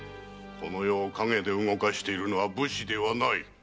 この世を影で動かしているのは武士ではない。